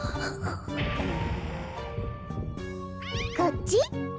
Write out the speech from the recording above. う。こっち？